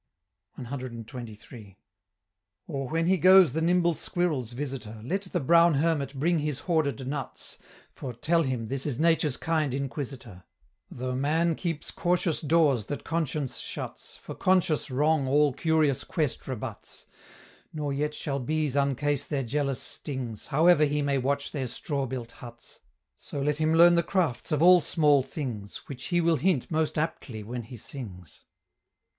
CXXIII. "Or when he goes the nimble squirrel's visitor, Let the brown hermit bring his hoarded nuts, For, tell him, this is Nature's kind Inquisitor, Though man keeps cautious doors that conscience shuts, For conscious wrong all curious quest rebuts, Nor yet shall bees uncase their jealous stings, However he may watch their straw built huts; So let him learn the crafts of all small things, Which he will hint most aptly when he sings."